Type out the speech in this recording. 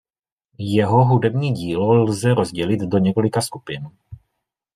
Jeho hudební dílo lze rozdělit do několika skupin.